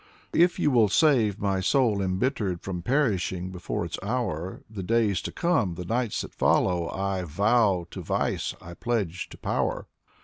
" If you will save my soul embittered From perishing before its hour. The days to come, the nights that follow I vow to vice, I pledge to power."